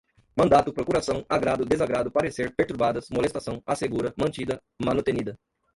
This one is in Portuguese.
mandato, procuração, agrado, desagrado, parecer, perturbadas, molestação, assegura, mantida, manutenida